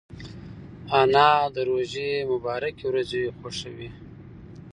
انا د روژې مبارکې ورځې خوښوي